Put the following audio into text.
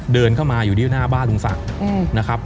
เดินเข้ามาอยู่ที่หน้าบ้านลุงศักดิ์นะครับ